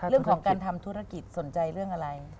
เรื่องของการทำธุรกิจสนใจเรื่องอะไร